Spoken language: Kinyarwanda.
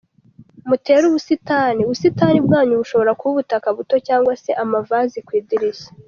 Mutere ubusitani: Ubusitani bwanyu bushobora kuba ubutaka buto, cyangwa se amavazi ku idirishya.